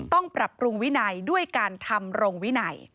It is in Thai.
ต้องปรับปรุงวินัยด้วยการทำรงวินัย